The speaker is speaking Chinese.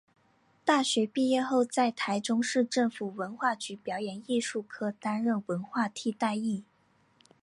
大学毕业后在台中市政府文化局表演艺术科担任文化替代役。